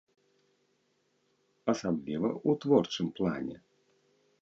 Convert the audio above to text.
Асабліва ў творчым плане.